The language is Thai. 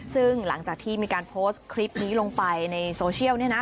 ซึ่งหลังจากที่มีการโพสต์คลิปนี้ลงไปในโซเชียล